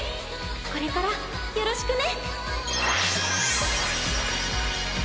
これからよろしくね。